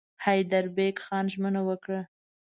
حیدربېګ خان ژمنه وکړه.